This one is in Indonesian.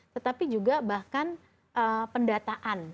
tetapi juga bahkan pendataan